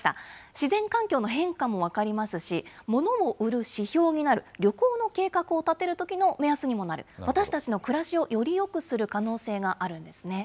自然環境の変化も分かりますし、ものを売る指標になる、旅行の計画を立てるときの目安にもなる、私たちの暮らしをよりよくする可能性があるんですね。